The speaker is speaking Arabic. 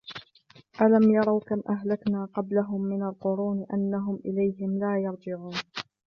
أَلَمْ يَرَوْا كَمْ أَهْلَكْنَا قَبْلَهُمْ مِنَ الْقُرُونِ أَنَّهُمْ إِلَيْهِمْ لَا يَرْجِعُونَ